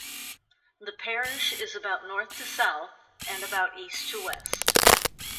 The parish is about north to south and about east to west.